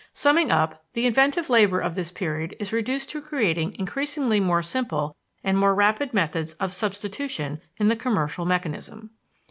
Summing up the inventive labor of this period is reduced to creating increasingly more simple and more rapid methods of substitution in the commercial mechanism.